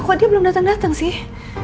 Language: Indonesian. kok dia belum datang datang sih